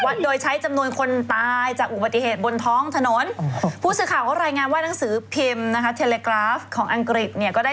๑๐อันดับประเทศท้องถนนอันตรายที่สุดในโลกนะคะ